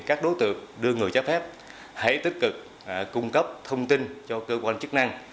các đối tượng đưa người trái phép hãy tích cực cung cấp thông tin cho cơ quan chức năng